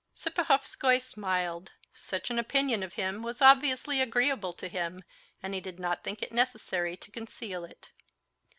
Serpuhovskoy smiled. Such an opinion of him was obviously agreeable to him, and he did not think it necessary to conceal it.